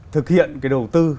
thực hiện cái đầu tư